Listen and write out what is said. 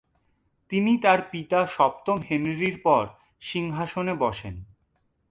তিনি তার পিতা সপ্তম হেনরির পর সিংহাসনে বসেন।